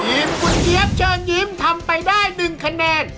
ทีมคุณเจี๊ยบเชิญยิ้มทำไปได้๑คะแนน